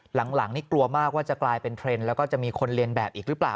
หลังนี่กลัวมากว่าจะกลายเป็นเทรนด์แล้วก็จะมีคนเรียนแบบอีกหรือเปล่า